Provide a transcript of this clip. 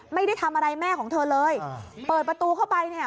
ไม่ได้ทำอะไรแม่ของเธอเลยเปิดประตูเข้าไปเนี่ย